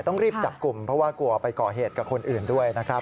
ต้องรีบจับกลุ่มเพราะว่ากลัวไปก่อเหตุกับคนอื่นด้วยนะครับ